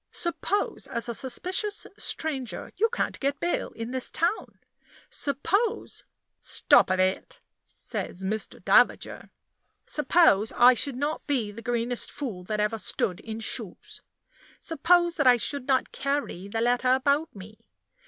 Suppose, as a suspicious stranger, you can't get bail in this town? Suppose " "Stop a bit," says Mr. Davager. "Suppose I should not be the greenest fool that ever stood in shoes? Suppose I should not carry the letter about me?